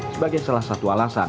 sebagai salah satu alasan